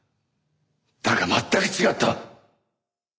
だが全く違った！